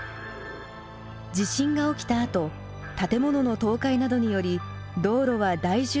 地震が起きたあと建物の倒壊などにより道路は大渋滞に陥りました。